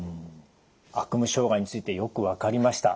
悪夢障害についてよく分かりました。